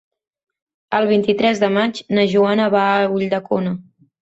El vint-i-tres de maig na Joana va a Ulldecona.